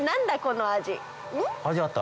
味あった？